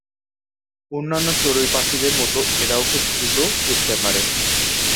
অন্যান্য চড়ুই পাখিদের মত এরাও খুব দ্রুত উড়তে পারে।